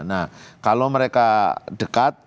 nah kalau mereka dekat